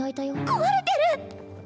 壊れてる！